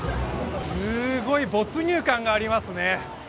すごい没入感がありますね。